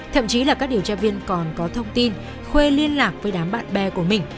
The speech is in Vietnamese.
thậm chí là các điều tra viên còn có thông tin khuê liên lạc với đám bạn bè của mình